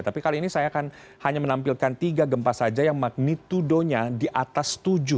tapi kali ini saya akan hanya menampilkan tiga gempa saja yang magnitudonya di atas tujuh